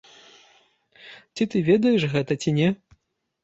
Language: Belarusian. Ці ты ведаеш гэта, ці не?